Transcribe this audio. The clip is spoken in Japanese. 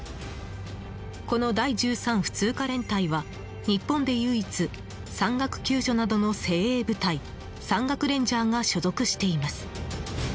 この第１３普通科連隊は日本で唯一山岳救助などの精鋭部隊山岳レンジャーが所属しています。